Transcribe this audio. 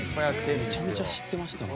めちゃめちゃ知ってましたわ。